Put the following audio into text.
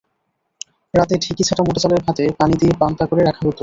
রাতে ঢেঁকি-ছাঁটা মোটা চালের ভাতে পানি দিয়ে পান্তা করে রাখা হতো।